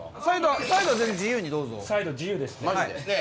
サイド自由ですって。